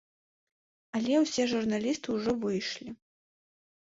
Але ўсе журналісты ўжо выйшлі.